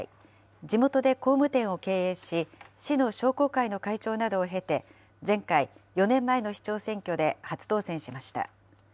地元で工務店を経営し、市の商工会の会長などを経て、前回・４年前の市長選挙で初当選しました。